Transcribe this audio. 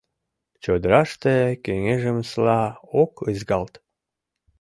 Чодыраште кеҥежымсыла ок ызгалт.